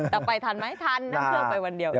แต่ไปทันไหมทันนั่งเพลิงไปวันเดียวอีก